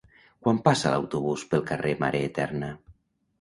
Quan passa l'autobús pel carrer Mare Eterna?